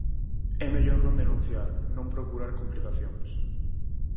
É mellor non denunciar, non procurar complicacións?